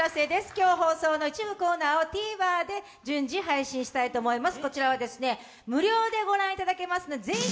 今日放送の一部コーナーをＴＶｅｒで順次配信したいと思います。